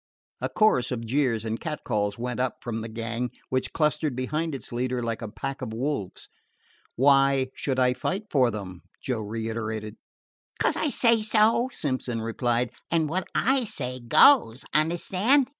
A chorus of jeers and catcalls went up from the gang, which clustered behind its leader like a pack of wolves. "Why should I fight for them?" Joe reiterated. "'Cos I say so," Simpson replied. "An' wot I say goes. Understand?"